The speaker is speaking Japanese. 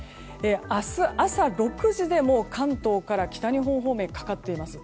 明日朝６時で関東から北日本方面かかっています。